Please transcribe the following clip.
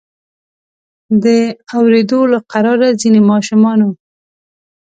د اوریدو له قراره ځینې ماشومانو.